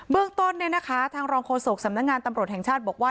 เรื่องต้นทางรองโฆษกสำนักงานตำรวจแห่งชาติบอกว่า